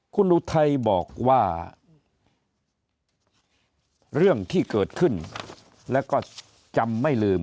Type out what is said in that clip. คุณอุทัยบอกว่าเรื่องที่เกิดขึ้นแล้วก็จำไม่ลืม